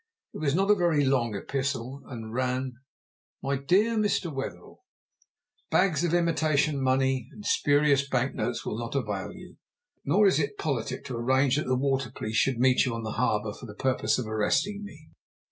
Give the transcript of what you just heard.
It was not a very long epistle, and ran: "MY DEAR MR. WETHERELL, "Bags of imitation money and spurious bank notes will not avail you, nor is it politic to arrange that the Water Police should meet you on the harbour for the purpose of arresting me.